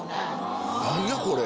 何や⁉これ。